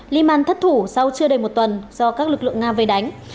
liman thất thủ sau chưa đầy một tuần do các lực lượng nga vê đánh